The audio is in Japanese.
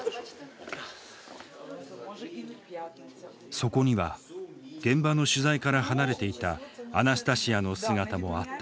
そこには現場の取材から離れていたアナスタシヤの姿もあった。